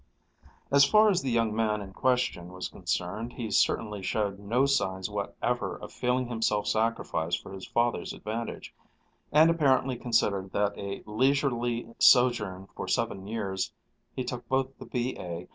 As far as the young man in question was concerned, he certainly showed no signs whatever of feeling himself sacrificed for his father's advantage, and apparently considered that a leisurely sojourn for seven years (he took both the B.A.